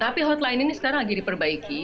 tapi hotline ini sekarang lagi diperbaiki